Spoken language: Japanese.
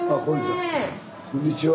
こんにちは。